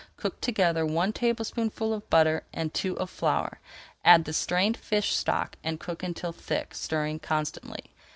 Cook together one tablespoonful of butter and two of flour, add the strained fish stock, and cook until thick, stirring constantly.